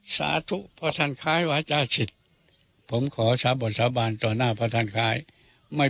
สาธุพระทันคล้ายวาชาชิตผมขอชาวบทสาบาลต่อหน้าพระทันคล้ายไม่